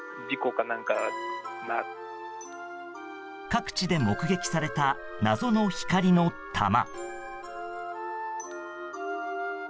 各地で目撃された謎の光の球。